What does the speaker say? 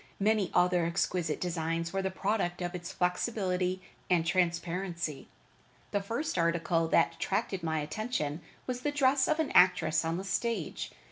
Many other exquisite designs were the product of its flexibility and transparency. The first article that attracted my attention was the dress of an actress on the stage.